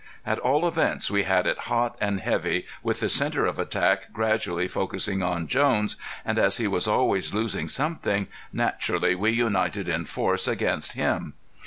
At all events we had it hot and heavy, with the center of attack gradually focusing on Jones, and as he was always losing something, naturally we united in force against him.